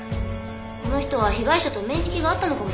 この人は被害者と面識があったのかもしれませんね。